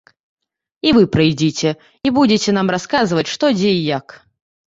І вы прыйдзіце, і будзеце нам расказваць, што, дзе і як.